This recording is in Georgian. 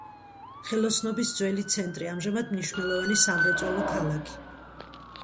ხელოსნობის ძველი ცენტრი, ამჟამად მნიშვნელოვანი სამრეწველო ქალაქი.